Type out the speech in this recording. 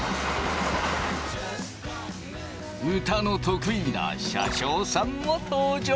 歌の得意な車掌さんも登場！